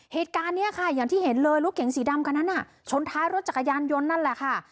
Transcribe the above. เหตุการณ์นี้ค่ะอย่างที่เห็นเลยรถเก๋งสีดำคันนั้นชนท้ายรถจักรยานยนต์นั่นแหละค่ะ